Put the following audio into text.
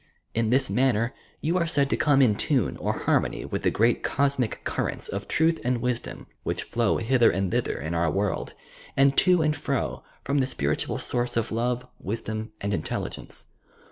In this manner, you are said to come in tune or harmony with the great Cosmic Cur rents of truth and wisdom which flow hither and thither in our world, and to and fro from the Spiritual Source of love, wisdom and intelligence.